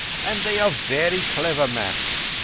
And they are very clever maps